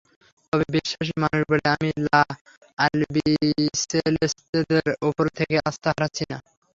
তবে বিশ্বাসী মানুষ বলে আমি লা আলবিসেলেস্তেদের ওপর থেকে আস্থা হারাচ্ছি না।